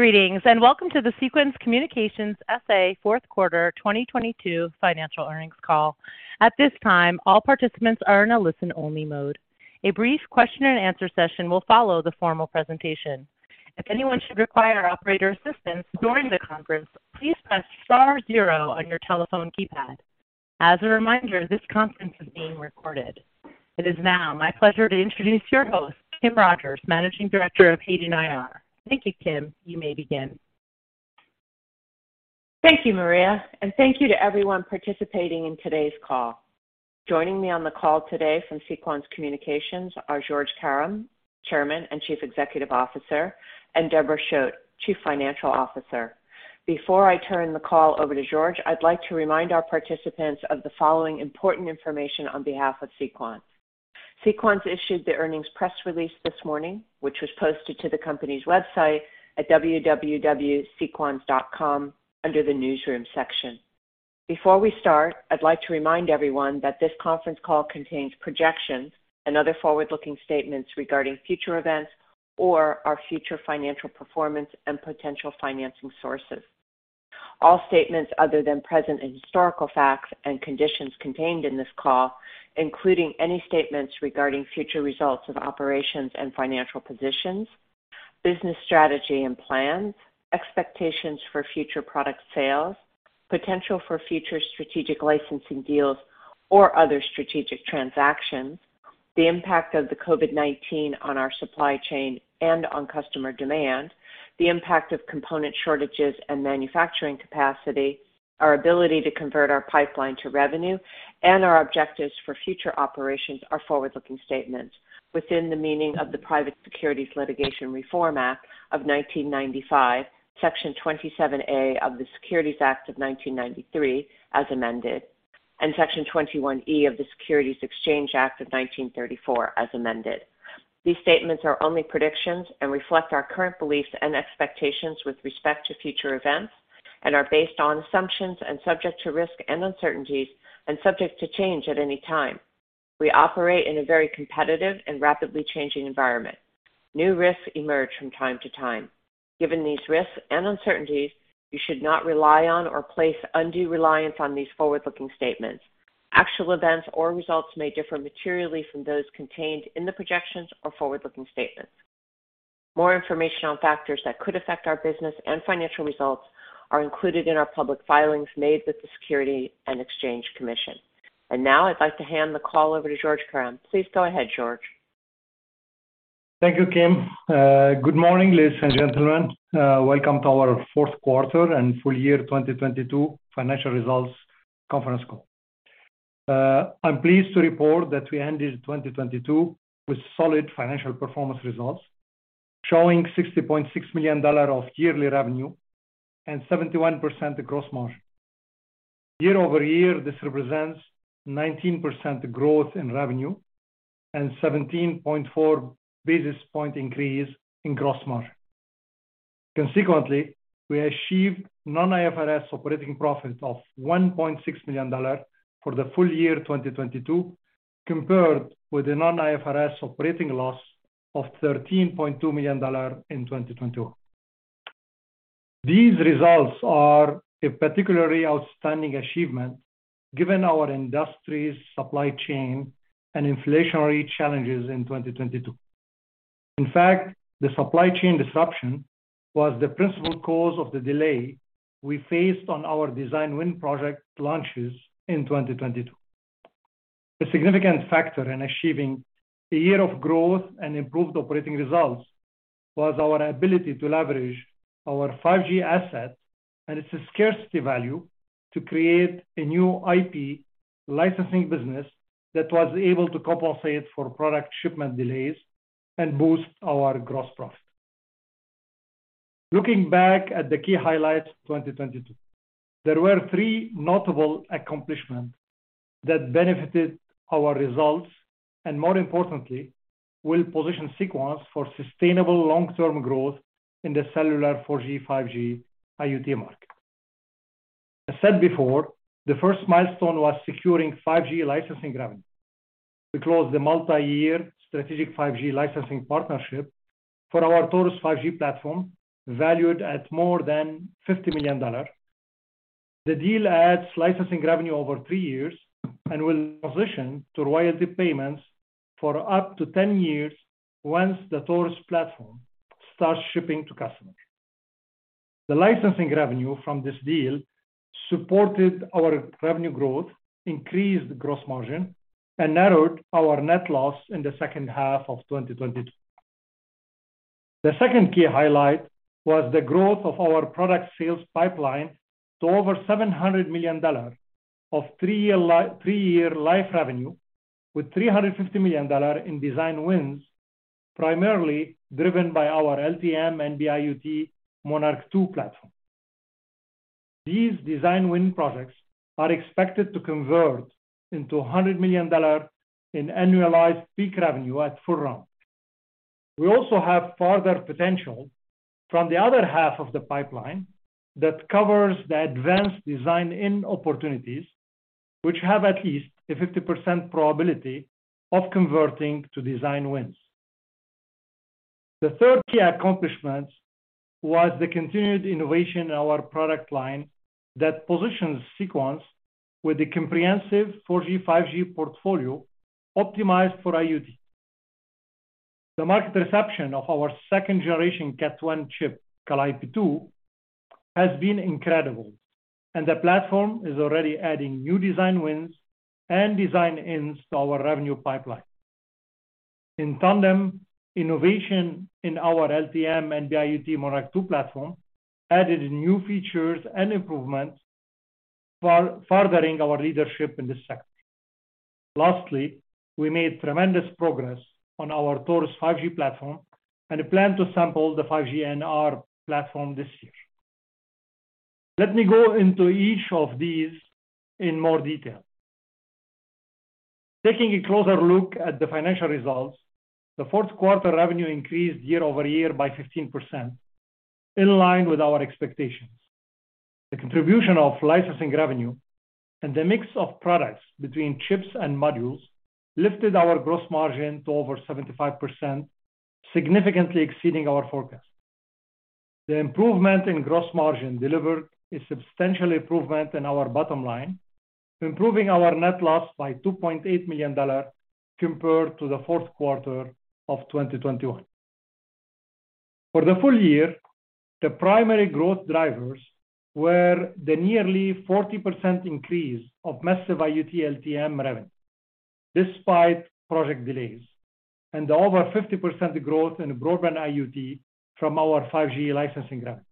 Greetings, and welcome to the Sequans Communications S.A. fourth quarter 2022 financial earnings call. At this time, all participants are in a listen-only mode. A brief question and answer session will follow the formal presentation. If anyone should require operator assistance during the conference, please press star zero on your telephone keypad. As a reminder, this conference is being recorded. It is now my pleasure to introduce your host, Kim Rogers, Managing Director of Hayden IR. Thank you, Kim. You may begin. Thank you, Maria, and thank you to everyone participating in today's call. Joining me on the call today from Sequans Communications are Georges Karam, Chairman and Chief Executive Officer, and Deborah Choate, Chief Financial Officer. Before I turn the call over to George, I'd like to remind our participants of the following important information on behalf of Sequan. Sequans issued the earnings press release this morning, which was posted to the company's website at www.sequans.com under the Newsroom section. Before we start, I'd like to remind everyone that this conference call contains projections and other forward-looking statements regarding future events or our future financial performance and potential financing sources. All statements other than present and historical facts and conditions contained in this call, including any statements regarding future results of operations and financial positions; business strategy and plans; expectations for future product sales; potential for future strategic licensing deals or other strategic transactions; the impact of the COVID-19 on our supply chain and on customer demand; the impact of component shortages and manufacturing capacity; our ability to convert our pipeline to revenue; and our objectives for future operations are forward-looking statements within the meaning of the Private Securities Litigation Reform Act of 1995, Section 27A of the Securities Act of 1933 as amended, and Section 21E of the Securities Exchange Act of 1934 as amended. These statements are only predictions and reflect our current beliefs and expectations with respect to future events and are based on assumptions and subject to risks and uncertainties and subject to change at any time. We operate in a very competitive and rapidly changing environment. New risks emerge from time to time. Given these risks and uncertainties, you should not rely on or place undue reliance on these forward-looking statements. Actual events or results may differ materially from those contained in the projections or forward-looking statements. More information on factors that could affect our business and financial results are included in our public filings made with the Securities and Exchange Commission. Now I'd like to hand the call over to Georges Karam. Please go ahead, Georges. Thank you, Kim. Good morning, ladies and gentlemen. Welcome to our fourth quarter and full year 2022 financial results conference call. I'm pleased to report that we ended 2022 with solid financial performance results, showing $60.6 million of yearly revenue and 71% gross margin. Year-over-year, this represents 19% growth in revenue and 17.4 business point increase in gross margin. Consequently, we achieved non-IFRS operating profit of $1.6 million for the full year 2022 compared with a non-IFRS operating loss of $13.2 million in 2021. These results are a particularly outstanding achievement given our industry's supply chain and inflationary challenges in 2022. In fact, the supply chain disruption was the principal cause of the delay we faced on our design win project launches in 2022. A significant factor in achieving a year of growth and improved operating results was our ability to leverage our 5G assets and its scarcity value to create a new IP licensing business that was able to compensate for product shipment delays and boost our gross profit. Looking back at the key highlights 2022, there were three notable accomplishments that benefited our results. More importantly, will position Sequans for sustainable long-term growth in the cellular 4G/5G IoT market. As said before, the first milestone was securing 5G licensing revenue. We closed the multi-year strategic 5G licensing partnership for our Taurus 5G platform, valued at more than $50 million. The deal adds licensing revenue over three years and will position to royalty payments for up to 10 years once the Taurus platform starts shipping to customers. The licensing revenue from this deal supported our revenue growth, increased gross margin, and narrowed our net loss in the second half of 2022. The second key highlight was the growth of our product sales pipeline to over $700 million of three-year life revenue with $350 million in design wins, primarily driven by our LTE-M/NB-IoT Monarch 2 platform. These design win projects are expected to convert into $100 million in annualized peak revenue at full ramp. We also have further potential from the other half of the pipeline that covers the advanced design in opportunities which have at least a 50% probability of converting to design wins. The third key accomplishment was the continued innovation in our product line that positions Sequans with a comprehensive 4G, 5G portfolio optimized for IoT. The market reception of our second generation Cat 1 chip, Calliope 2, has been incredible. The platform is already adding new design wins and design-ins to our revenue pipeline. In tandem, innovation in our LTE-M/NB-IoT Monarch 2 platform added new features and improvements for furthering our leadership in this sector. Lastly, we made tremendous progress on our Taurus 5G platform. We plan to sample the 5G NR platform this year. Let me go into each of these in more detail. Taking a closer look at the financial results, the fourth quarter revenue increased year-over-year by 15%, in line with our expectations. The contribution of licensing revenue and the mix of products between chips and modules lifted our gross margin to over 75%, significantly exceeding our forecast. The improvement in gross margin delivered a substantial improvement in our bottom line, improving our net loss by $2.8 million compared to the fourth quarter of 2021. For the full year, the primary growth drivers were the nearly 40% increase of massive IoT LTE-M revenue despite project delays and over 50% growth in broadband IoT from our 5G licensing revenue.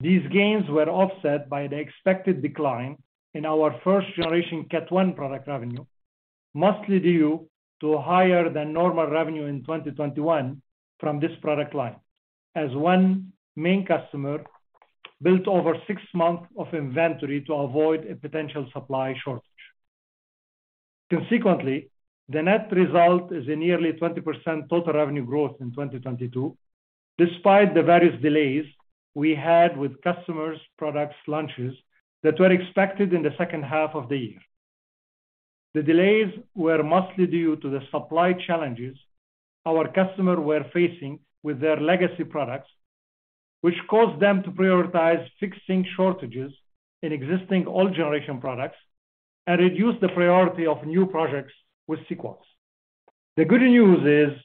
These gains were offset by the expected decline in our first generation Cat 1 product revenue, mostly due to higher than normal revenue in 2021 from this product line as one main customer built over six months of inventory to avoid a potential supply shortage. Consequently, the net result is a nearly 20% total revenue growth in 2022, despite the various delays we had with customers' products launches that were expected in the second half of the year. The delays were mostly due to the supply challenges our customers were facing with their legacy products, which caused them to prioritize fixing shortages in existing old generation products and reduce the priority of new projects with Sequans. The good news is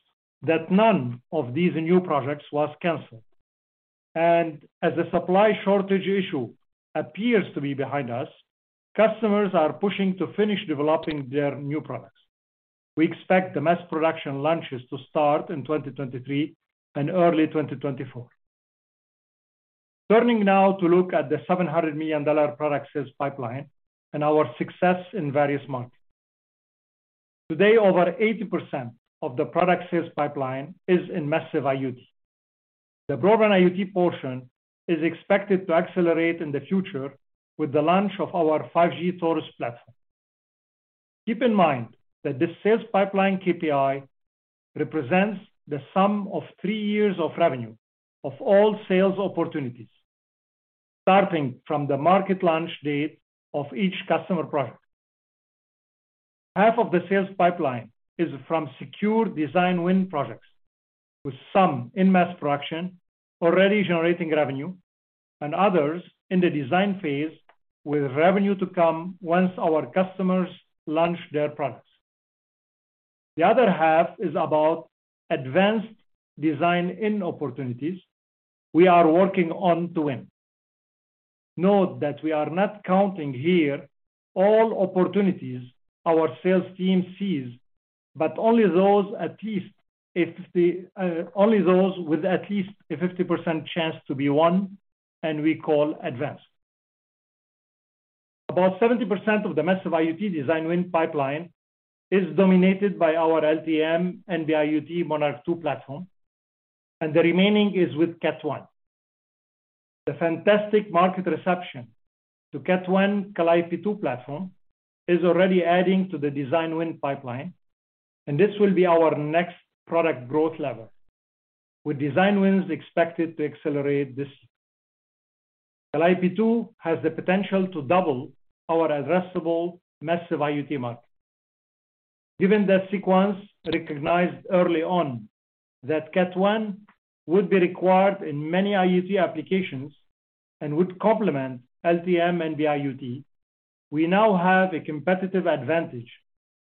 that none of these new projects was canceled. As the supply shortage issue appears to be behind us, customers are pushing to finish developing their new products. We expect the mass production launches to start in 2023 and early 2024. Turning now to look at the $700 million product sales pipeline and our success in various markets. Today, over 80% of the product sales pipeline is in massive IoT. The broadband IoT portion is expected to accelerate in the future with the launch of our 5G Taurus platform. Keep in mind that this sales pipeline KPI represents the sum of three years of revenue of all sales opportunities, starting from the market launch date of each customer product. Half of the sales pipeline is from secure design win products, with some in mass production already generating revenue and others in the design phase with revenue to come once our customers launch their products. The other half is about advanced design in opportunities we are working on to win. Note that we are not counting here all opportunities our sales team sees, but only those with at least a 50% chance to be won and we call advanced. About 70% of the massive IoT design win pipeline is dominated by our LTE-M/NB-IoT Monarch 2 platform, and the remaining is with Cat 1. The fantastic market reception to Cat 1 Calliope 2 platform is already adding to the design win pipeline, and this will be our next product growth lever, with design wins expected to accelerate this year. Calliope 2 has the potential to double our addressable massive IoT market. Given that Sequans recognized early on that Cat 1 would be required in many IoT applications and would complement LTE-M/NB-IoT, we now have a competitive advantage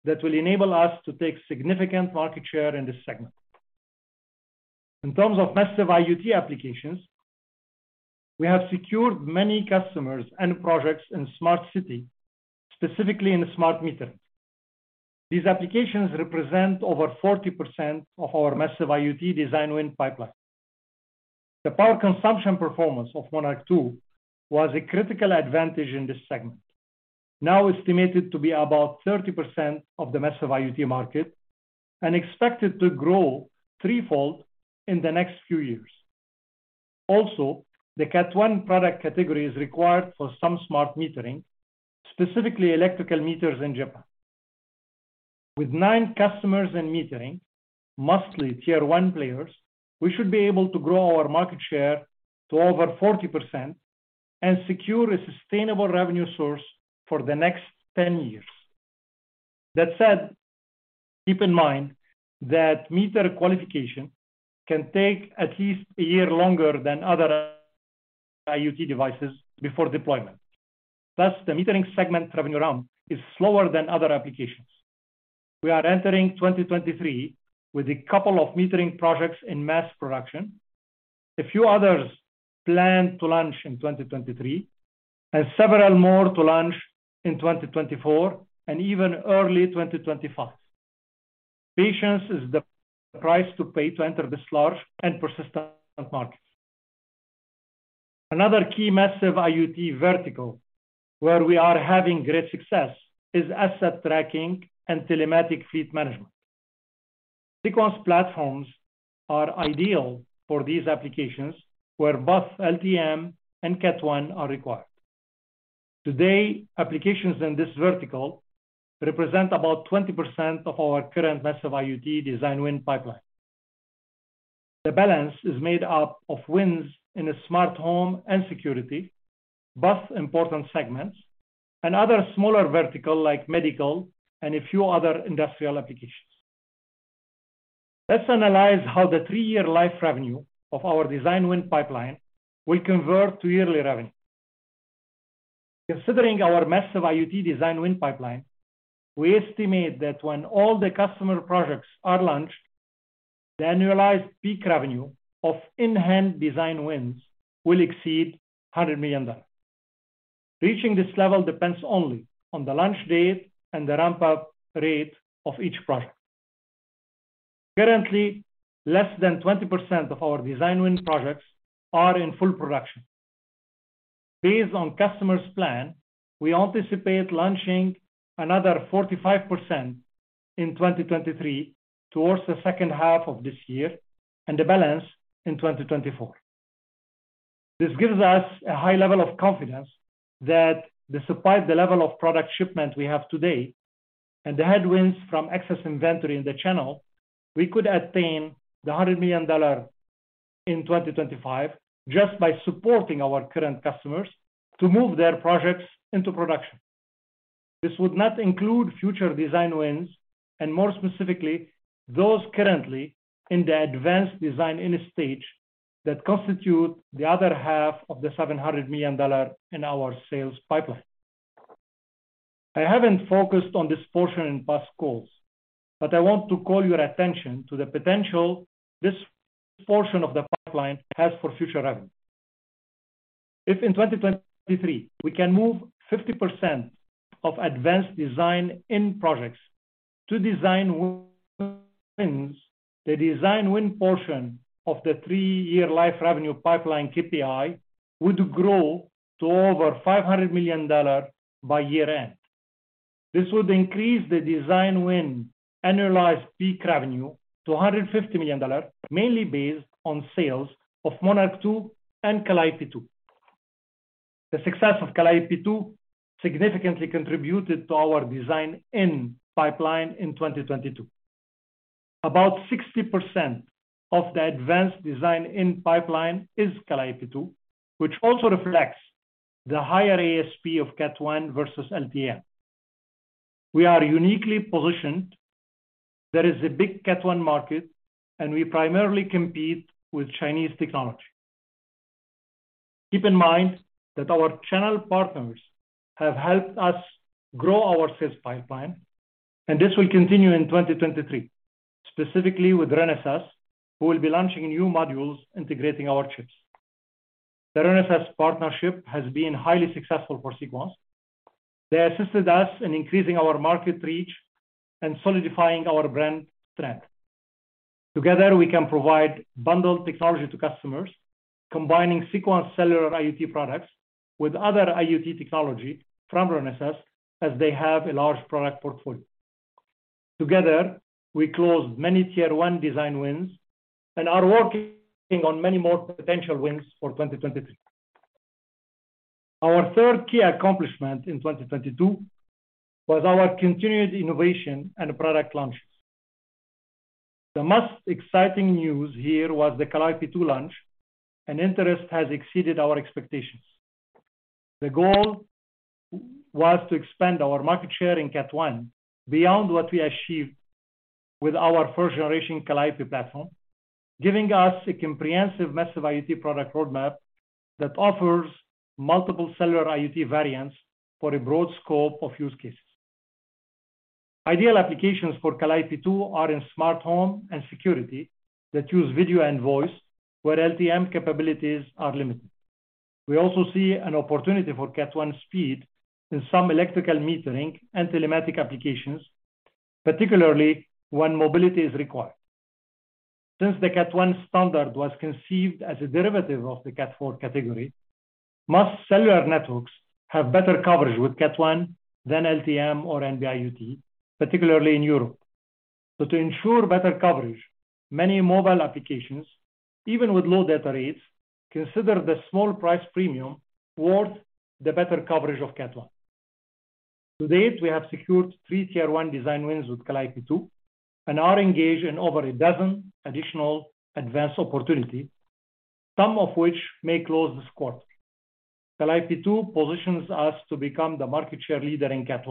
that will enable us to take significant market share in this segment. In terms of massive IoT applications, we have secured many customers and projects in smart city, specifically in smart meter. These applications represent over 40% of our massive IoT design win pipeline. The power consumption performance of Monarch 2 was a critical advantage in this segment, now estimated to be about 30% of the massive IoT market and expected to grow threefold in the next few years. The Cat 1 product category is required for some smart metering, specifically electrical meters in Japan. With nine customers in metering, mostly Tier 1 players, we should be able to grow our market share to over 40% and secure a sustainable revenue source for the next 10 years. That said, keep in mind that meter qualification can take at least one year longer than other IoT devices before deployment. Thus, the metering segment revenue run is slower than other applications. We are entering 2023 with a couple of metering projects in mass production, a few others plan to launch in 2023, and several more to launch in 2024 and even early 2025. Patience is the price to pay to enter this large and persistent market. Another key massive IoT vertical where we are having great success is asset tracking and telematic fleet management. Sequans platforms are ideal for these applications where both LTE-M and Cat 1 are required. Today, applications in this vertical represent about 20% of our current massive IoT design win pipeline. The balance is made up of wins in a smart home and security, both important segments, and other smaller vertical like medical and a few other industrial applications. Let's analyze how the three-year life revenue of our design win pipeline will convert to yearly revenue. Considering our massive IoT design win pipeline, we estimate that when all the customer projects are launched, the annualized peak revenue of in-hand design wins will exceed $100 million. Reaching this level depends only on the launch date and the ramp-up rate of each project. Currently, less than 20% of our design win projects are in full production. Based on customers' plan, we anticipate launching another 45% in 2023 towards the second half of this year and the balance in 2024. This gives us a high level of confidence that despite the level of product shipment we have today and the headwinds from excess inventory in the channel, we could attain the $100 million in 2025 just by supporting our current customers to move their projects into production. This would not include future design wins, and more specifically, those currently in the advanced design in stage that constitute the other half of the $700 million in our sales pipeline. I haven't focused on this portion in past calls. I want to call your attention to the potential this portion of the pipeline has for future revenue. If in 2023 we can move 50% of advanced design in projects to design wins, the design win portion of the three-year life revenue pipeline KPI would grow to over $500 million by year-end. This would increase the design win annualized peak revenue to $150 million, mainly based on sales of Monarch 2 and Calliope 2. The success of Calliope 2 significantly contributed to our design in pipeline in 2022. About 60% of the advanced design in pipeline is Calliope 2, which also reflects the higher ASP of Cat 1 versus LTE-M. We are uniquely positioned. There is a big Cat 1 market. We primarily compete with Chinese technology. Keep in mind that our channel partners have helped us grow our sales pipeline, and this will continue in 2023, specifically with Renesas, who will be launching new modules integrating our chips. The Renesas partnership has been highly successful for Sequans. They assisted us in increasing our market reach and solidifying our brand strength. Together, we can provide bundled technology to customers, combining Sequans cellular IoT products with other IoT technology from Renesas as they have a large product portfolio. Together, we closed many tier one design wins and are working on many more potential wins for 2023. Our third key accomplishment in 2022 was our continued innovation and product launches. The most exciting news here was the Calliope 2 launch, and interest has exceeded our expectations. The goal was to expand our market share in Cat 1 beyond what we achieved with our first-generation Calliope platform, giving us a comprehensive massive IoT product roadmap that offers multiple cellular IoT variants for a broad scope of use cases. Ideal applications for Calliope 2 are in smart home and security that use video and voice where LTE-M capabilities are limited. We also see an opportunity for Cat 1 speed in some electrical metering and telematic applications, particularly when mobility is required. Since the Cat 1 standard was conceived as a derivative of the Cat 4 category, most cellular networks have better coverage with Cat 1 than LTE-M or NB-IoT, particularly in Europe. To ensure better coverage, many mobile applications, even with low data rates, consider the small price premium worth the better coverage of Cat 1. To date, we have secured three Tier 1 design wins with Calliope 2 and are engaged in over 12 additional advanced opportunity, some of which may close this quarter. Calliope 2 positions us to become the market share leader in Cat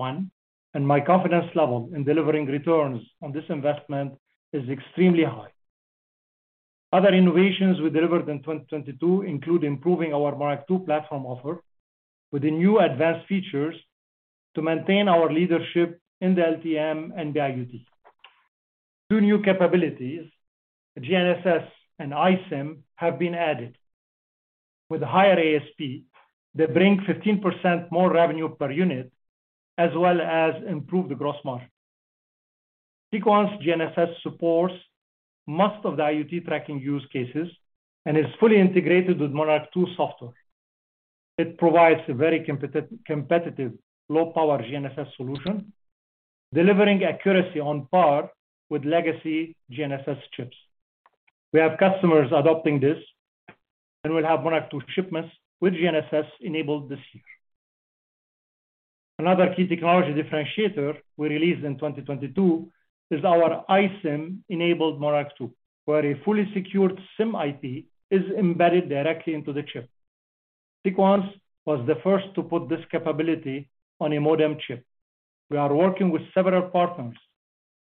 1. My confidence level in delivering returns on this investment is extremely high. Other innovations we delivered in 2022 include improving our Monarch 2 platform offer with the new advanced features to maintain our leadership in the LTE-M and the IoT. Two new capabilities, GNSS and iSIM, have been added. With higher ASP, they bring 15% more revenue per unit as well as improve the gross margin. Sequans GNSS supports most of the IoT tracking use cases and is fully integrated with Monarch 2 software. It provides a very competitive low-power GNSS solution, delivering accuracy on par with legacy GNSS chips. We have customers adopting this, and we'll have Monarch 2 shipments with GNSS enabled this year. Another key technology differentiator we released in 2022 is our iSIM-enabled Monarch 2, where a fully secured SIM IP is embedded directly into the chip. Sequans was the first to put this capability on a modem chip. We are working with several partners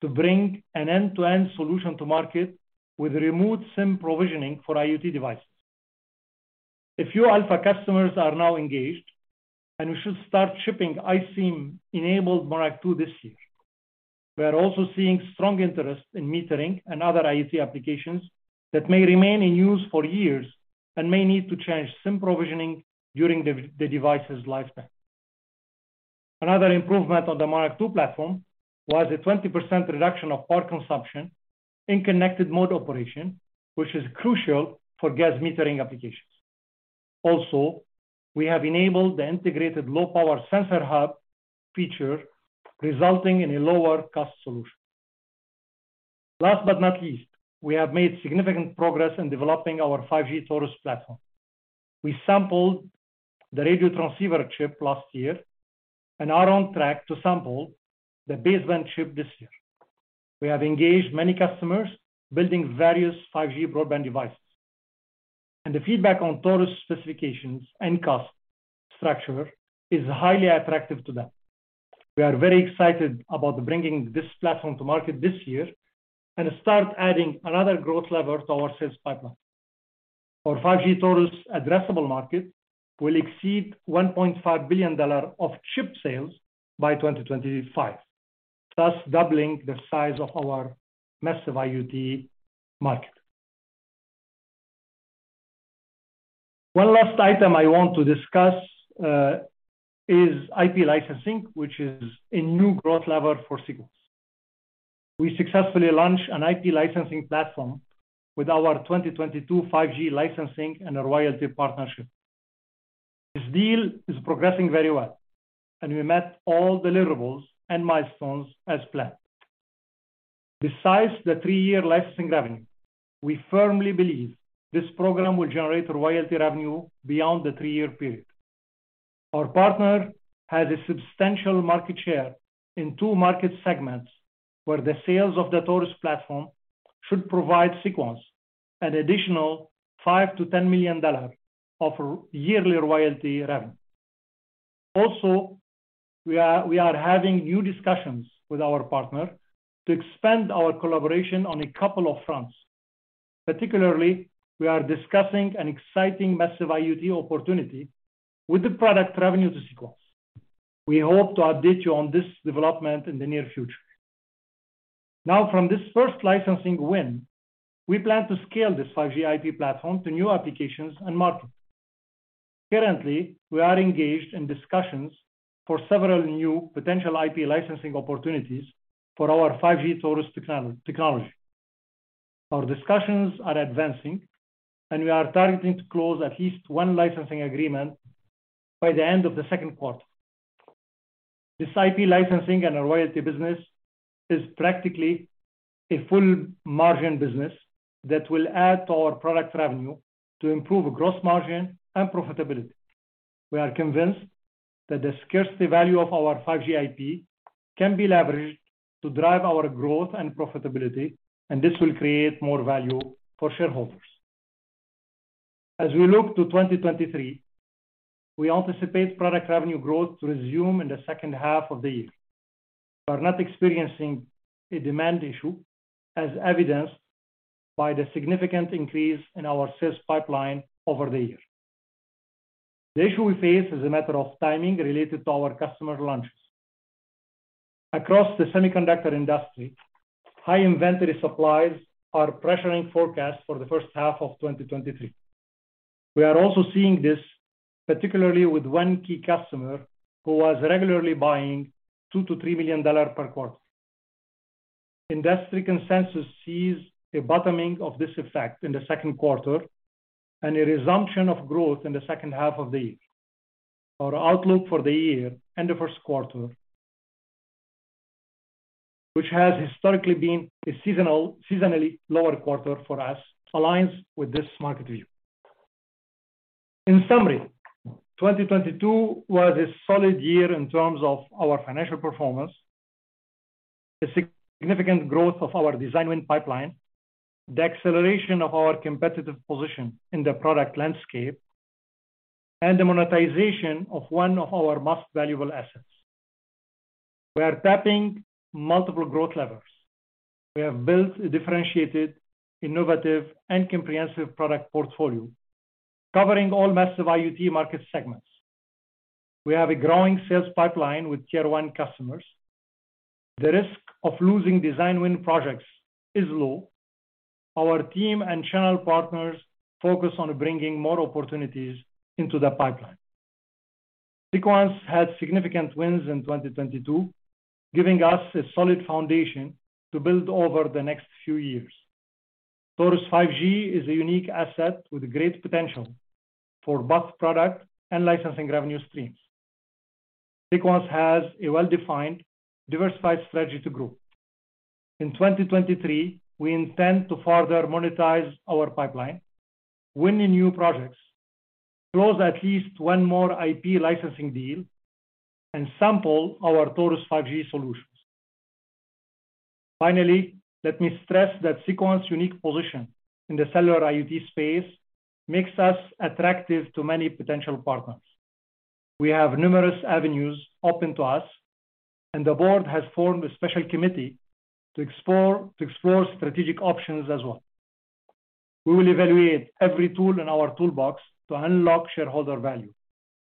to bring an end-to-end solution to market with remote SIM provisioning for IoT devices. A few alpha customers are now engaged, and we should start shipping iSIM-enabled Monarch 2 this year. We are also seeing strong interest in metering and other IoT applications that may remain in use for years and may need to change SIM provisioning during the device's lifespan. Another improvement on the Monarch 2 platform was a 20% reduction of power consumption in connected mode operation, which is crucial for gas metering applications. We have enabled the integrated low-power sensor hub feature, resulting in a lower cost solution. Last but not least, we have made significant progress in developing our 5G Taurus platform. We sampled the radio transceiver chip last year and are on track to sample the baseband chip this year. We have engaged many customers building various 5G broadband devices, and the feedback on Taurus specifications and cost structure is highly attractive to them. We are very excited about bringing this platform to market this year and start adding another growth lever to our sales pipeline. Our 5G Taurus addressable market will exceed $1.5 billion of chip sales by 2025, thus doubling the size of our massive IoT market. One last item I want to discuss is IP licensing, which is a new growth lever for Sequans. We successfully launched an IP licensing platform with our 2022 5G licensing and a royalty partnership. This deal is progressing very well. We met all deliverables and milestones as planned. Besides the three-year licensing revenue, we firmly believe this program will generate royalty revenue beyond the three-year period. Our partner has a substantial market share in two market segments where the sales of the Taurus platform should provide Sequans an additional $5 million-$10 million of yearly royalty revenue. We are having new discussions with our partner to expand our collaboration on a couple of fronts. Particularly, we are discussing an exciting massive IoT opportunity with the product revenue to Sequans. We hope to update you on this development in the near future. From this first licensing win, we plan to scale this 5G IP platform to new applications and markets. Currently, we are engaged in discussions for several new potential IP licensing opportunities for our 5G Taurus technology. Our discussions are advancing. We are targeting to close at least one licensing agreement by the end of the second quarter. This IP licensing and a royalty business is practically a full margin business that will add to our product revenue to improve gross margin and profitability. We are convinced that the scarcity value of our 5G IP can be leveraged to drive our growth and profitability. This will create more value for shareholders. As we look to 2023, we anticipate product revenue growth to resume in the second half of the year. We are not experiencing a demand issue as evidenced by the significant increase in our sales pipeline over the year. The issue we face is a matter of timing related to our customer launches. Across the semiconductor industry, high inventory supplies are pressuring forecasts for the first half of 2023. We are also seeing this particularly with one key customer who was regularly buying $2 million-$3 million per quarter. Industry consensus sees a bottoming of this effect in the second quarter and a resumption of growth in the second half of the year. Our outlook for the year and the first quarter, which has historically been a seasonally lower quarter for us, aligns with this market view. In summary, 2022 was a solid year in terms of our financial performance, a significant growth of our design win pipeline, the acceleration of our competitive position in the product landscape, and the monetization of one of our most valuable assets. We are tapping multiple growth levers. We have built a differentiated, innovative, and comprehensive product portfolio covering all massive IoT market segments. We have a growing sales pipeline with tier one customers. The risk of losing design win projects is low. Our team and channel partners focus on bringing more opportunities into the pipeline. Sequans had significant wins in 2022, giving us a solid foundation to build over the next few years. Taurus 5G is a unique asset with great potential for both product and licensing revenue streams. Sequans has a well-defined, diversified strategy to grow. In 2023, we intend to further monetize our pipeline, win in new projects, close at least one more IP licensing deal, and sample our Taurus 5G solutions. Finally, let me stress that Sequans' unique position in the cellular IoT space makes us attractive to many potential partners. We have numerous avenues open to us, and the Board has formed a special committee to explore strategic options as well. We will evaluate every tool in our toolbox to unlock shareholder value.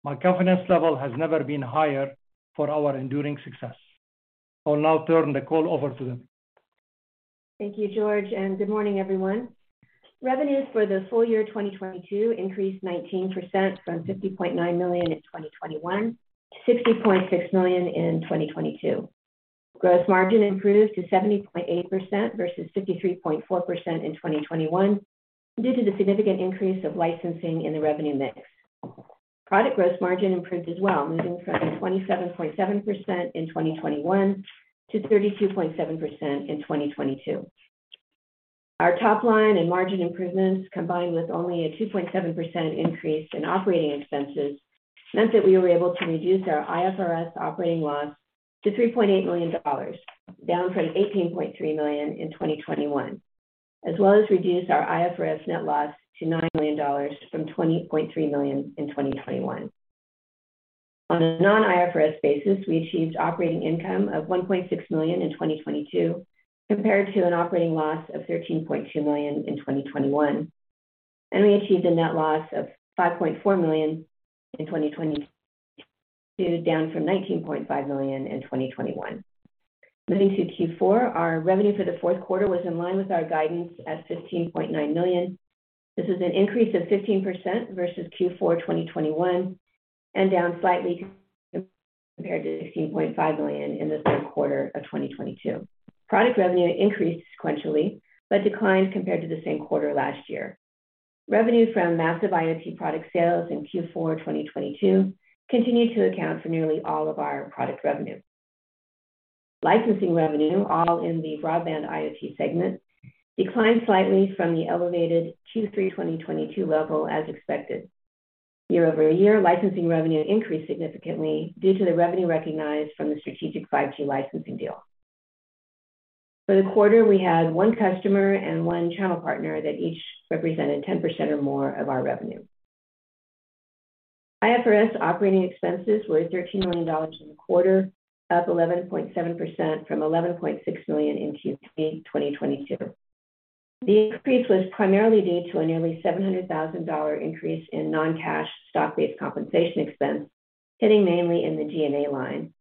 My confidence level has never been higher for our enduring success. I will now turn the call over to Deb. Thank you, George, and good morning, everyone. Revenues for the full year 2022 increased 19% from $50.9 million in 2021 to $60.6 million in 2022. Gross margin improved to 70.8% versus 53.4% in 2021 due to the significant increase of licensing in the revenue mix. Product gross margin improved as well, moving from 27.7% in 2021 to 32.7% in 2022. Our top line and margin improvements, combined with only a 2.7% increase in operating expenses, meant that we were able to reduce our IFRS operating loss to $3.8 million, down from $18.3 million in 2021, as well as reduce our IFRS net loss to $9 million from $20.3 million in 2021. On a non-IFRS basis, we achieved operating income of $1.6 million in 2022 compared to an operating loss of $13.2 million in 2021. We achieved a net loss of $5.4 million in 2022, down from $19.5 million in 2021. Moving to Q4, our revenue for the fourth quarter was in line with our guidance at $15.9 million. This is an increase of 15% versus Q4 2021, and down slightly compared to $16.5 million in the third quarter of 2022. Product revenue increased sequentially, but declined compared to the same quarter last year. Revenue from massive IoT product sales in Q4 2022 continued to account for nearly all of our product revenue. Licensing revenue, all in the broadband IoT segment, declined slightly from the elevated Q3 2022 level as expected. Year-over-year, licensing revenue increased significantly due to the revenue recognized from the strategic 5G licensing deal. For the quarter, we had one customer and one channel partner that each represented 10% or more of our revenue. IFRS operating expenses were $13 million in the quarter, up 11.7% from $11.6 million in Q3 2022. The increase was primarily due to a nearly $700,000 increase in non-cash stock-based compensation expense, hitting mainly in the G&A line,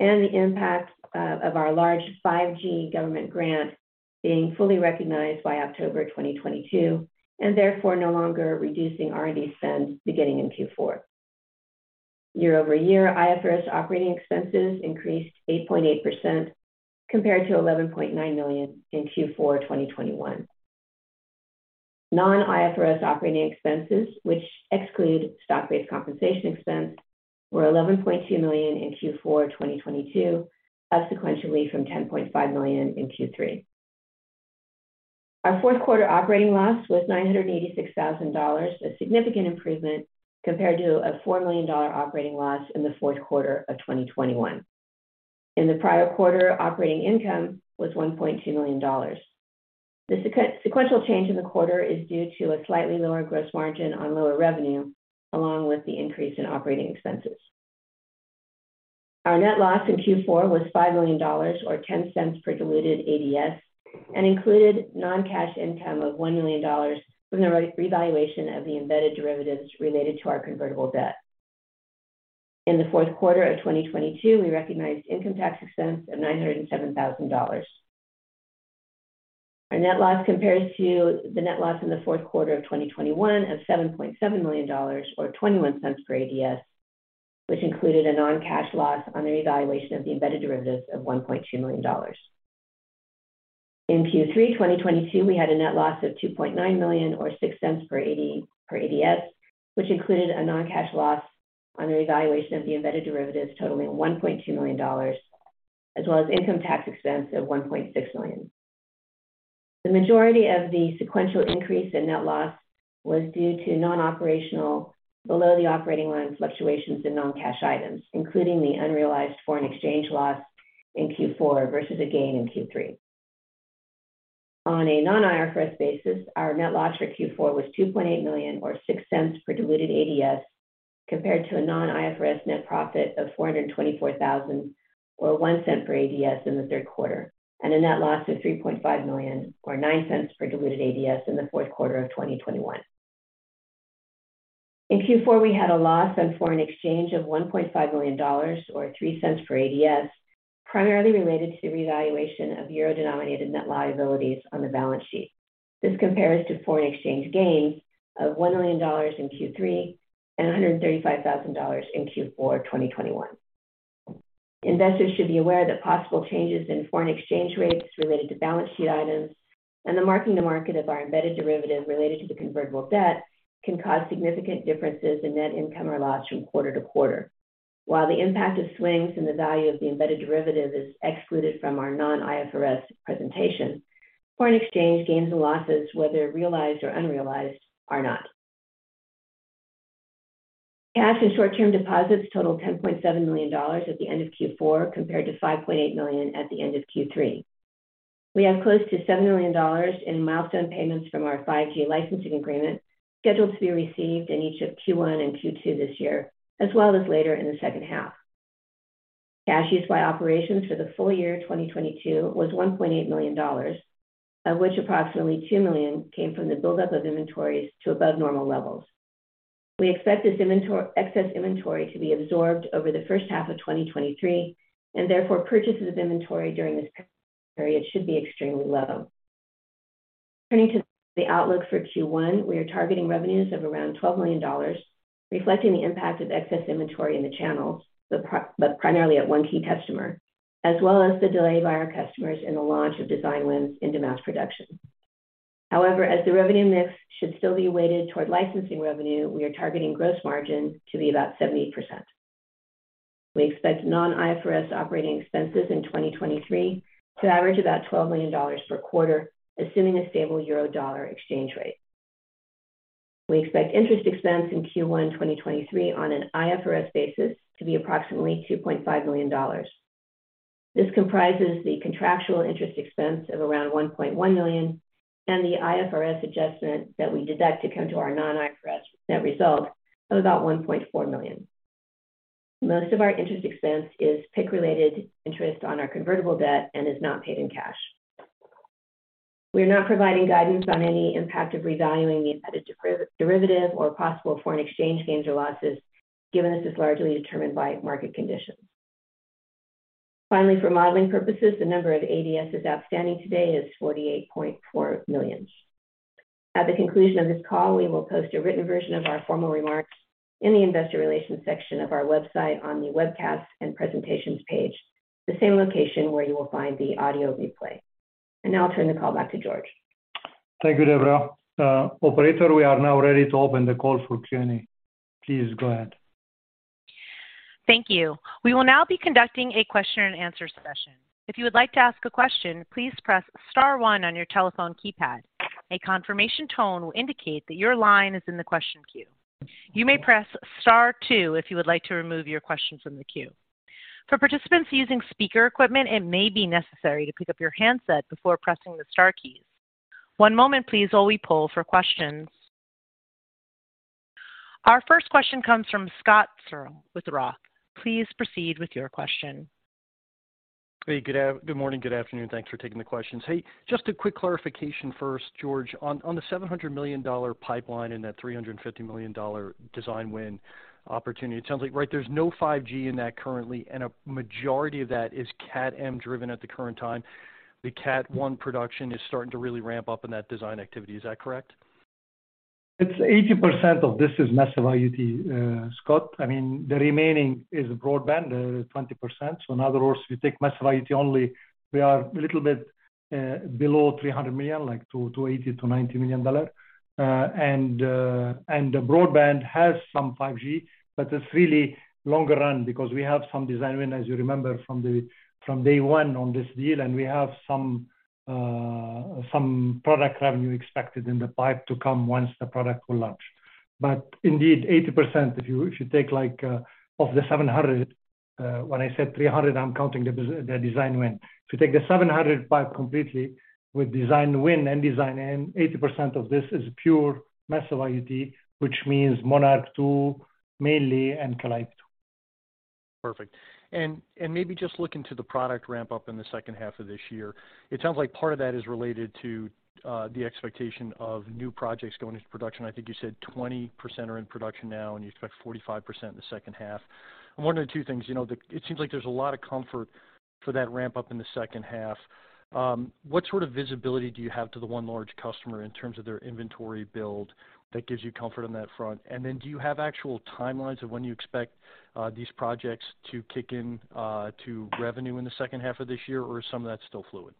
and the impact of our large 5G government grant being fully recognized by October 2022, and therefore no longer reducing R&D spend beginning in Q4. Year-over-year, IFRS operating expenses increased 8.8% compared to $11.9 million in Q4 2021. Non-IFRS operating expenses, which exclude stock-based compensation expense, were $11.2 million in Q4 2022, up sequentially from $10.5 million in Q3. Our fourth quarter operating loss was $986,000, a significant improvement compared to a $4 million operating loss in the fourth quarter of 2021. In the prior quarter, operating income was $1.2 million. The sequential change in the quarter is due to a slightly lower gross margin on lower revenue along with the increase in operating expenses. Our net loss in Q4 was $5 million or $0.10 per diluted ADS and included non-cash income of $1 million from the revaluation of the embedded derivatives related to our convertible debt. In the fourth quarter of 2022, we recognized income tax expense of $907,000. Our net loss compares to the net loss in the fourth quarter of 2021 of $7.7 million or $0.21 per ADS, which included a non-cash loss on the revaluation of the embedded derivatives of $1.2 million. In Q3 2022, we had a net loss of $2.9 million or $0.06 per ADS, which included a non-cash loss on revaluation of the embedded derivatives totaling $1.2 million, as well as income tax expense of $1.6 million. The majority of the sequential increase in net loss was due to non-operational below the operating line fluctuations in non-cash items, including the unrealized foreign exchange loss in Q4 versus a gain in Q3. On a non-IFRS basis, our net loss for Q4 was $2.8 million or $0.06 per diluted ADS, compared to a non-IFRS net profit of $424,000 or $0.01 per ADS in the third quarter, and a net loss of $3.5 million or $0.09 per diluted ADS in the fourth quarter of 2021. In Q4, we had a loss on foreign exchange of $1.5 million or $0.03 per ADS, primarily related to the revaluation of euro-denominated net liabilities on the balance sheet. This compares to foreign exchange gains of $1 million in Q3 and $135,000 in Q4 2021. Investors should be aware that possible changes in foreign exchange rates related to balance sheet items and the marking to market of our embedded derivative related to the convertible debt can cause significant differences in net income or loss from quarter to quarter. While the impact of swings in the value of the embedded derivative is excluded from our non-IFRS presentation, foreign exchange gains and losses, whether realized or unrealized, are not. Cash and short-term deposits totaled $10.7 million at the end of Q4 compared to $5.8 million at the end of Q3. We have close to $7 million in milestone payments from our 5G licensing agreement scheduled to be received in each of Q1 and Q2 this year, as well as later in the second half. Cash used by operations for the full year 2022 was $1.8 million, of which approximately $2 million came from the buildup of inventories to above normal levels. We expect this excess inventory to be absorbed over the first half of 2023, therefore purchases of inventory during this period should be extremely low. Turning to the outlook for Q1, we are targeting revenues of around $12 million, reflecting the impact of excess inventory in the channels, primarily at one key customer, as well as the delay by our customers in the launch of design wins into mass production. As the revenue mix should still be weighted toward licensing revenue, we are targeting gross margin to be about 70%. We expect non-IFRS operating expenses in 2023 to average about $12 million per quarter, assuming a stable euro-dollar exchange rate. We expect interest expense in Q1 2023 on an IFRS basis to be approximately $2.5 million. This comprises the contractual interest expense of around $1.1 million and the IFRS adjustment that we deduct to come to our non-IFRS net result of about $1.4 million. Most of our interest expense is PIK-related interest on our convertible debt and is not paid in cash. We are not providing guidance on any impact of revaluing the embedded derivative or possible foreign exchange gains or losses, given this is largely determined by market conditions. Finally, for modeling purposes, the number of ADSs outstanding today is 48.4 million. At the conclusion of this call, we will post a written version of our formal remarks in the Investor Relations section of our website on the Webcasts and Presentations page, the same location where you will find the audio replay. Now I'll turn the call back to Georges. Thank you, Deborah. Operator, we are now ready to open the call for Q&A. Please go ahead. Thank you. We will now be conducting a question and answer session. If you would like to ask a question, please press star one on your telephone keypad. A confirmation tone will indicate that your line is in the question queue. You may press star two if you would like to remove your question from the queue. For participants using speaker equipment, it may be necessary to pick up your handset before pressing the star keys. One moment please while we poll for questions. Our first question comes from Scott Searle with ROTH. Please proceed with your question. Hey, good morning, good afternoon. Thanks for taking the questions. Hey, just a quick clarification first, Georges. On the $700 million pipeline and that $350 million design win opportunity, it sounds like right there's no 5G in that currently, and a majority of that is Cat-M driven at the current time. The Cat 1 production is starting to really ramp up in that design activity. Is that correct? It's 80% of this is massive IoT, Scott. I mean, the remaining is broadband, 20%. In other words, if you take massive IoT only, we are a little bit below $300 million, like $280 million-$290 million. The broadband has some 5G, but it's really longer run because we have some design win, as you remember from the, from day one on this deal, and we have some product revenue expected in the pipe to come once the product will launch. Indeed, 80% if you, if you take like, of the $700 million, when I said $300 million, I'm counting the design win. If you take the $700 million pipe completely with design win and design in, 80% of this is pure massive IoT, which means Monarch 2 mainly and Calliope. Perfect. Maybe just looking to the product ramp up in the second half of this year. It sounds like part of that is related to the expectation of new projects going into production. I think you said 20% are in production now, and you expect 45% in the second half. I'm wondering two things. You know, It seems like there's a lot of comfort for that ramp up in the second half. What sort of visibility do you have to the one large customer in terms of their inventory build that gives you comfort on that front? Do you have actual timelines of when you expect these projects to kick in to revenue in the second half of this year, or is some of that still fluid?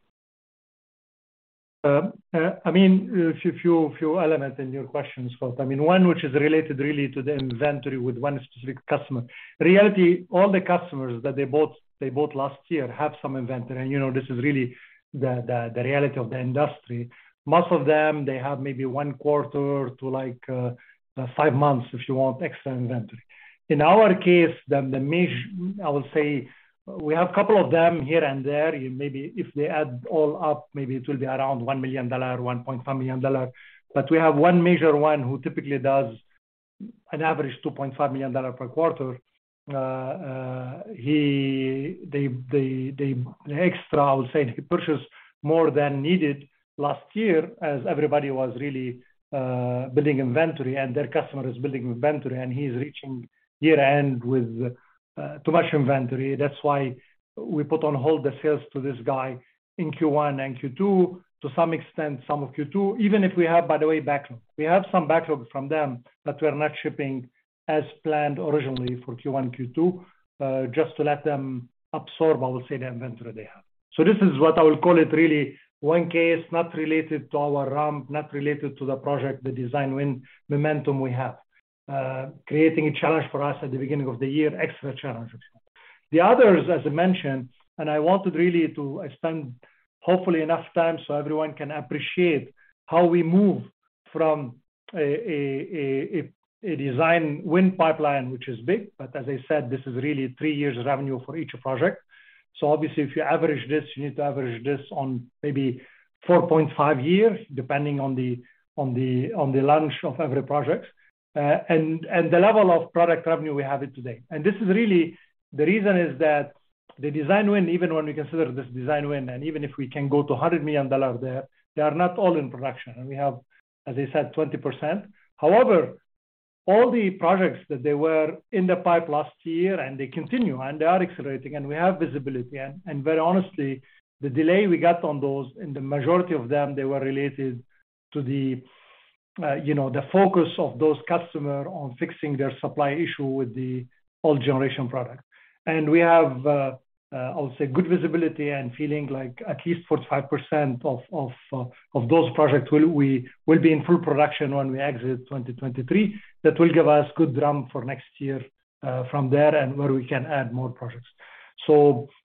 I mean, a few elements in your questions, Scott. I mean, one which is related really to the inventory with one specific customer. In reality, all the customers that they bought, they bought last year have some inventory. You know, this is really the reality of the industry. Most of them, they have maybe one quarter to like, five months, if you want, extra inventory. In our case, I will say we have a couple of them here and there, and maybe if they add all up, maybe it will be around $1 million-$1.5 million. We have one major one who typically does an average $2.5 million per quarter. The extra, I would say, he purchased more than needed last year as everybody was really building inventory and their customer is building inventory, and he's reaching year-end with too much inventory. That's why we put on hold the sales to this guy in Q1 and Q2, to some extent, some of Q2, even if we have, by the way, backlog. We have some backlog from them that we're not shipping as planned originally for Q1, Q2, just to let them absorb, I will say, the inventory they have. This is what I will call it really one case not related to our ramp, not related to the project, the design win momentum we have, creating a challenge for us at the beginning of the year, extra challenge, if you want. The others, as I mentioned, I wanted really to spend hopefully enough time so everyone can appreciate how we move from a design win pipeline, which is big. As I said, this is really three years revenue for each project. Obviously, if you average this, you need to average this on maybe 4.5 years, depending on the, on the, on the launch of every project, and the level of product revenue we have it today. This is really the reason is that the design win, even when we consider this design win, and even if we can go to $100 million there, they are not all in production. We have, as I said, 20%. However, all the projects that they were in the pipe last year and they continue and they are accelerating, and we have visibility. Very honestly, the delay we got on those, and the majority of them, they were related to, you know, the focus of those customer on fixing their supply issue with the old generation product. We have, I would say, good visibility and feeling like at least 45% of those projects we will be in full production when we exit 2023. That will give us good drum for next year from there and where we can add more projects.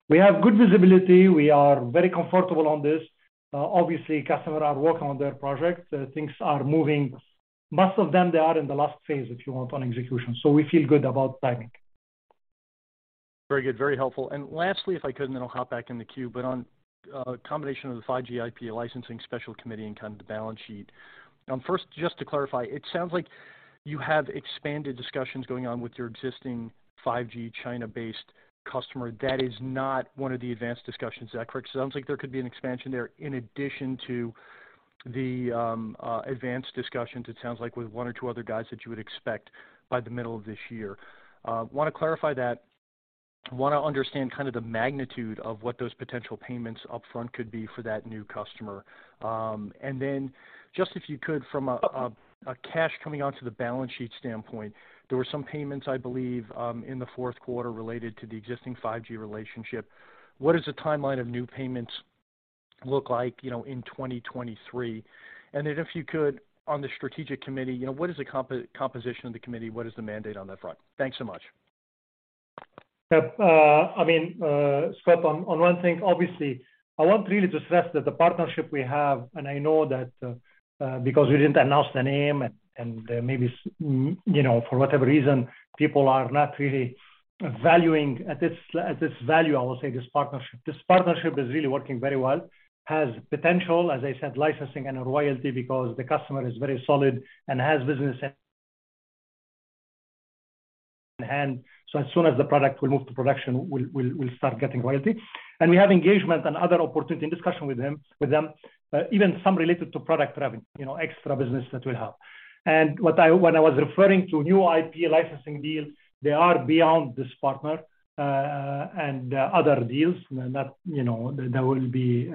We have good visibility. We are very comfortable on this. Obviously, customer are working on their project. Things are moving. Most of them, they are in the last phase, if you want, on execution. We feel good about timing. Very good. Very helpful. Lastly, if I could, and then I'll hop back in the queue, but on a combination of the 5G IP licensing special committee and kind of the balance sheet. First, just to clarify, it sounds like you have expanded discussions going on with your existing 5G China-based customer that is not one of the advanced discussions. Is that correct? It sounds like there could be an expansion there in addition to the advanced discussions, it sounds like, with one or two other guys that you would expect by the middle of this year. Wanna clarify that. Wanna understand kind of the magnitude of what those potential payments upfront could be for that new customer. Then just if you could from a cash coming onto the balance sheet standpoint, there were some payments, I believe, in the fourth quarter related to the existing 5G relationship. What is the timeline of new payments look like, you know, in 2023? Then if you could, on the strategic committee, you know, what is the composition of the committee? What is the mandate on that front? Thanks so much. Yep. I mean, Scott, on one thing, obviously, I want really to stress that the partnership we have. I know that, because we didn't announce the name and, maybe you know, for whatever reason, people are not really valuing at this, at this value, I will say, this partnership. This partnership is really working very well. Has potential, as I said, licensing and a royalty because the customer is very solid and has business in hand. As soon as the product will move to production, we'll start getting royalty. We have engagement and other opportunity in discussion with them, even some related to product revenue, you know, extra business that we'll have. When I was referring to new IP licensing deals, they are beyond this partner, and other deals that, you know, that we'll be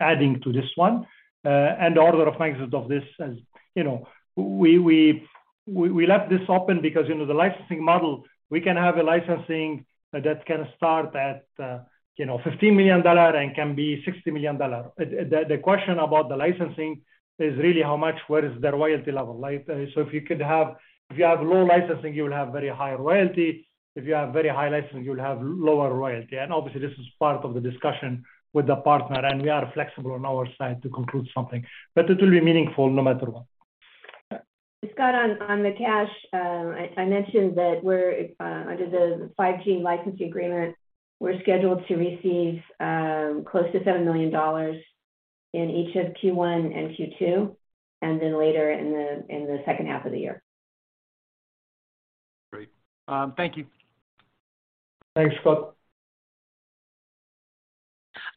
adding to this one, and order of magnitude of this as you know. We left this open because, you know, the licensing model, we can have a licensing that can start at, you know, $15 million and can be $60 million. The question about the licensing is really how much, what is their royalty level like? If you have low licensing, you will have very high royalty. If you have very high licensing, you'll have lower royalty. Obviously, this is part of the discussion with the partner, and we are flexible on our side to conclude something. It will be meaningful no matter what. Scott, on the cash, I mentioned that we're under the 5G licensing agreement, we're scheduled to receive close to $7 million in each of Q1 and Q2, and then later in the second half of the year. Great. Thank you. Thanks, Scott.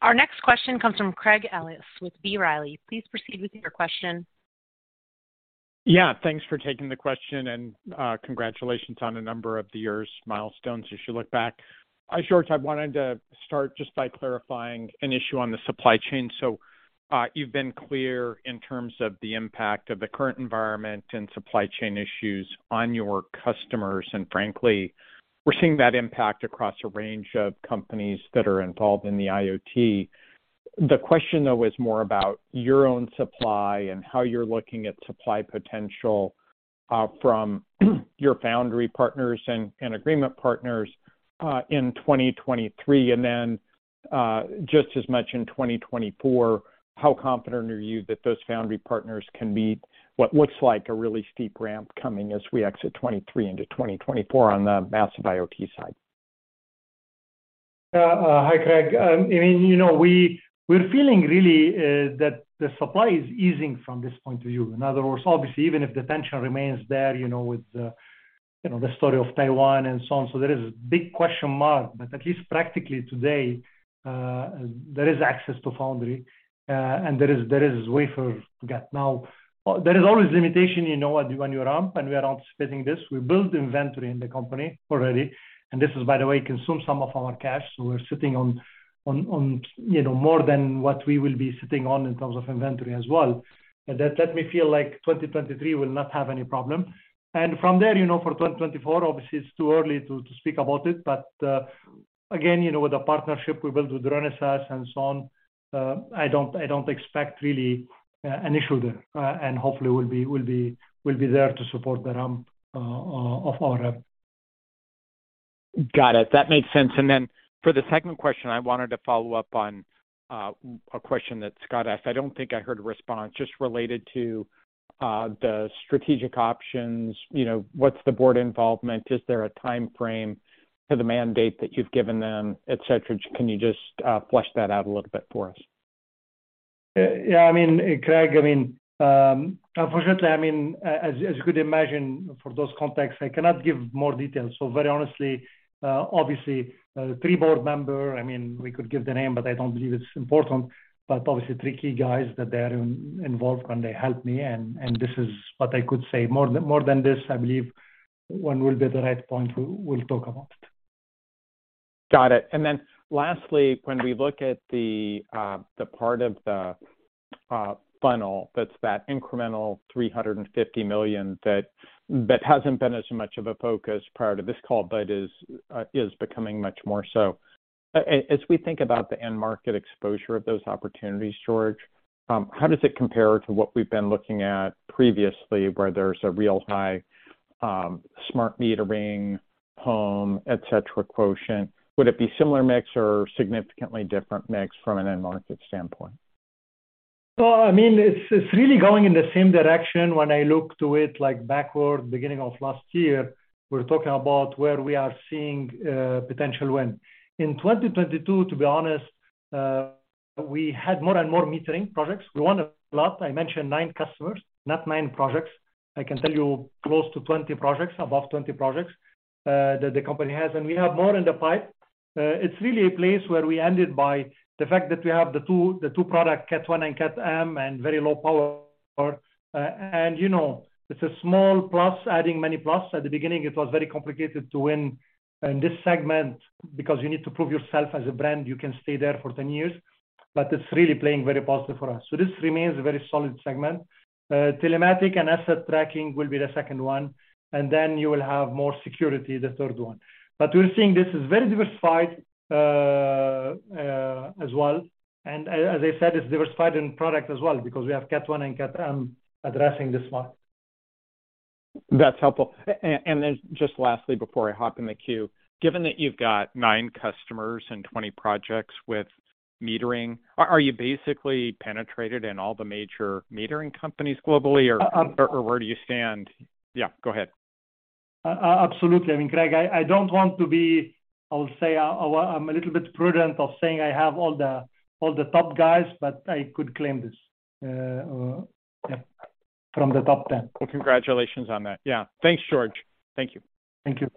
Our next question comes from Craig Ellis with B. Riley. Please proceed with your question. Thanks for taking the question and congratulations on a number of the years milestones as you look back. I wanted to start just by clarifying an issue on the supply chain. You've been clear in terms of the impact of the current environment and supply chain issues on your customers. Frankly, we're seeing that impact across a range of companies that are involved in the IoT. The question, though, is more about your own supply and how you're looking at supply potential from your foundry partners and agreement partners, in 2023. Then, just as much in 2024, how confident are you that those foundry partners can meet what looks like a really steep ramp coming as we exit 2023 into 2024 on the massive IoT side? Yeah. Hi Craig. I mean, you know, we're feeling really, that the supply is easing from this point of view. In other words, obviously, even if the tension remains there, you know, with, you know, the story of Taiwan and so on. There is a big question mark, but at least practically today, there is access to foundry, and there is wafer to get. There is always limitation, you know, when you ramp, and we are anticipating this. We build inventory in the company already, and this is, by the way, consume some of our cash. We're sitting on, you know, more than what we will be sitting on in terms of inventory as well. That make me feel like 2023 will not have any problem. From there, you know, for 2024, obviously it's too early to speak about it. Again, you know, with the partnership we built with Renesas and so on, I don't expect really an issue there. Hopefully we'll be there to support the ramp of our rep. Got it. That makes sense. For the second question, I wanted to follow up on a question that Scott asked. I don't think I heard a response. Just related to the strategic options. You know, what's the Board involvement? Is there a timeframe to the mandate that you've given them, et cetera? Can you just flesh that out a little bit for us? Yeah. Craig, unfortunately, as you could imagine for those contexts, I cannot give more details. Very honestly, obviously, three Board member, we could give the name, but I don't believe it's important. Obviously three key guys that they are involved and they help me and this is what I could say. More than this, I believe when we'll be at the right point we'll talk about it. Got it. Lastly, when we look at the part of the funnel that's that incremental $350 million that hasn't been as much of a focus prior to this call but is becoming much more so. As we think about the end market exposure of those opportunities, George, how does it compare to what we've been looking at previously, where there's a real high, smart metering home, et cetera, quotient? Would it be similar mix or significantly different mix from an end market standpoint? I mean, it's really going in the same direction. When I look to it like backward, beginning of last year, we're talking about where we are seeing potential win. In 2022, to be honest, we had more and more metering projects. We won a lot. I mentioned nine customers, not nine projects. I can tell you close to 20 projects, above 20 projects, that the company has. We have more in the pipe. It's really a place where we ended by the fact that we have the two product, Cat 1 and Cat-M and very low power. You know, it's a small plus, adding many plus. At the beginning it was very complicated to win in this segment because you need to prove yourself as a brand. You can stay there for 10 years, but it's really playing very positive for us. This remains a very solid segment. Telematics and asset tracking will be the second one, and then you will have more security, the third one. We're seeing this is very diversified as well. As I said, it's diversified in product as well because we have Cat 1 and Cat-M addressing this one. That's helpful. Then just lastly before I hop in the queue. Given that you've got nine customers and 20 projects with metering, are you basically penetrated in all the major metering companies globally or? Uh, uh- Where do you stand? Yeah, go ahead. Absolutely. I mean, Craig, I don't want to be... I'll say I'm a little bit prudent of saying I have all the top guys, but I could claim this, yeah, from the top 10. Well, congratulations on that. Yeah. Thanks, George. Thank you. Thank you.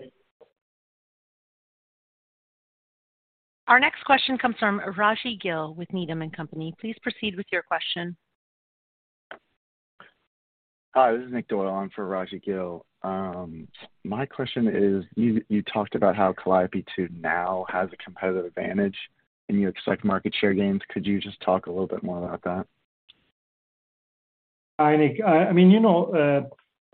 Our next question comes from Raji Gill with Needham & Company. Please proceed with your question. Hi, this is Nick Doyle in for Raji Gill. My question is, you talked about how Calliope 2 now has a competitive advantage and you expect market share gains. Could you just talk a little bit more about that? Hi, Nick. I mean, you know,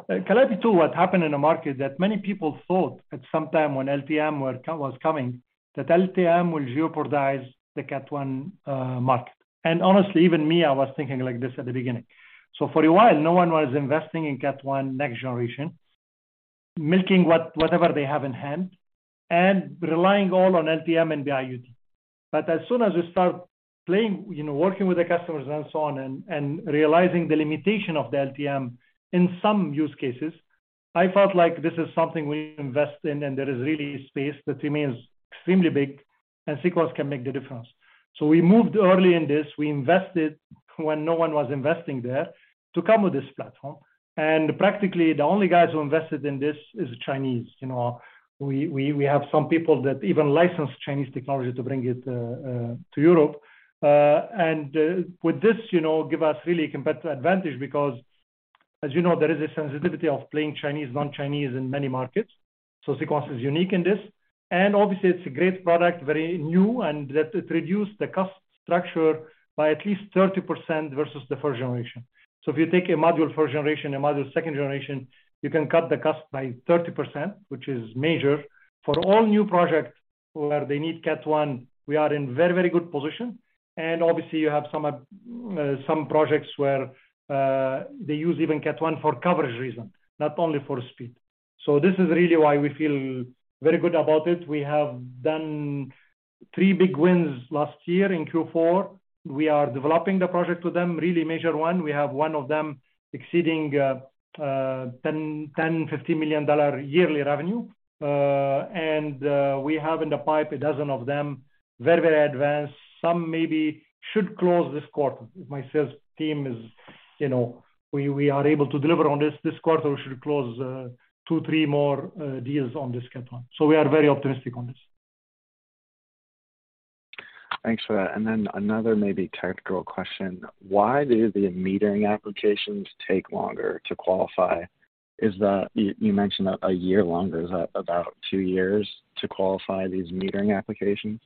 Calliope 2, what happened in the market that many people thought at some time when LTE-M was coming, that LTE-M will jeopardize the Cat 1 market. Honestly, even me, I was thinking like this at the beginning. For a while no one was investing in Cat 1 next generation, milking whatever they have in hand and relying all on LTE-M and NB-IoT. As soon as you start playing, you know, working with the customers and so on and realizing the limitation of the LTE-M in some use cases, I felt like this is something we invest in and there is really space that remains extremely big and Sequans can make the difference. We moved early in this. We invested when no one was investing there to come with this platform. Practically the only guys who invested in this is Chinese. You know, we have some people that even license Chinese technology to bring it to Europe. With this, you know, give us really competitive advantage because as you know, there is a sensitivity of playing Chinese, non-Chinese in many markets. Sequans is unique in this. Obviously it's a great product, very new and that it reduced the cost structure by at least 30% versus the first generation. If you take a module fourth generation, a module second generation, you can cut the cost by 30%, which is major. For all new projects where they need Cat 1, we are in very, very good position. Obviously you have some projects where they use even Cat 1 for coverage reasons, not only for speed. This is really why we feel very good about it. We have done three big wins last year in Q4. We are developing the project with them, really major one. We have one of them exceeding $10 million-$15 million yearly revenue. We have in the pipe a dozen of them, very, very advanced. Some maybe should close this quarter. If my sales team is, you know, we are able to deliver on this quarter we should close two, three more deals on this Cat 1. We are very optimistic on this. Thanks for that. Another maybe technical question. Why do the metering applications take longer to qualify? You mentioned a year longer, is that about two years to qualify these metering applications?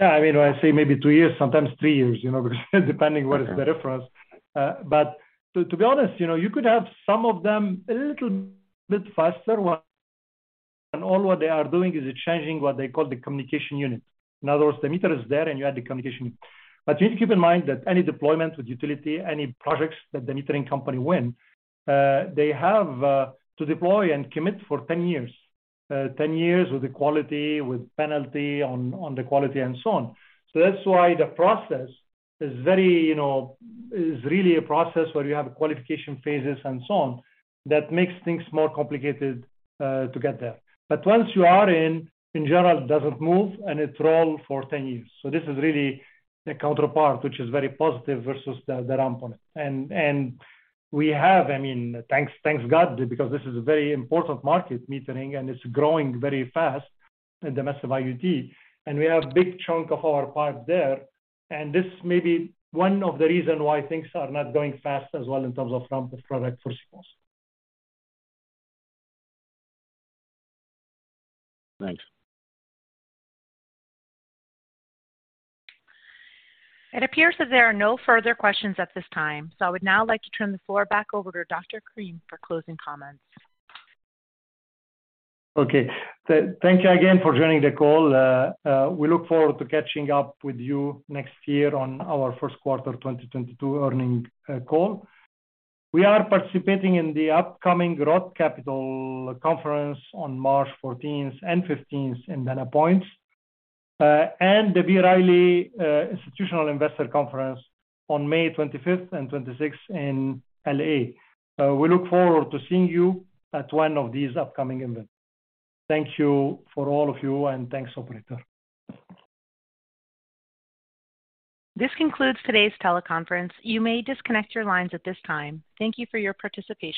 Yeah. I mean, when I say maybe two years, sometimes three years, you know, because depending what is better for us. To be honest, you know, you could have some of them a little bit faster when all what they are doing is changing what they call the communication unit. In other words, the meter is there and you add the communication unit. You need to keep in mind that any deployment with utility, any projects that the metering company win, they have to deploy and commit for 10 years. 10 years with the quality, with penalty on the quality and so on. That's why the process is very, you know, is really a process where you have qualification phases and so on, that makes things more complicated to get there. Once you are in general it doesn't move and it roll for 10 years. This is really the counterpart, which is very positive versus the ramp on it. And we have, I mean, thanks God, because this is a very important market, metering, and it's growing very fast in domestic IoT, and we have big chunk of our pipe there. This may be one of the reason why things are not going fast as well in terms of ramp with product for Sequans. Thanks. It appears that there are no further questions at this time, so I would now like to turn the floor back over to Dr. Karam for closing comments. Thank you again for joining the call. We look forward to catching up with you next year on our first quarter 2022 earning call. We are participating in the upcoming ROTH Capital Conference on March 14th and 15th in Dana Point. The B. Riley Institutional Investor Conference on May 25th and 26th in L.A. We look forward to seeing you at one of these upcoming events. Thank you for all of you, and thanks operator. This concludes today's teleconference. You may disconnect your lines at this time. Thank you for your participation.